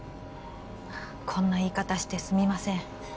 こんな言い方してすみません